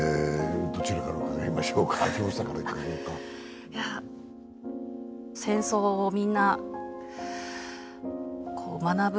どちらから伺いましょうか秋元さんから伺おうかいや戦争をみんなこう学ぶ